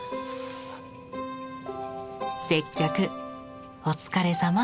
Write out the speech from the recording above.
接客お疲れさま。